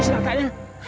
ketemu si natanya